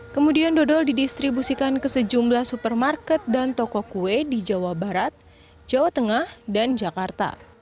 kemudian dodol didistribusikan ke sejumlah supermarket dan toko kue di jawa barat jawa tengah dan jakarta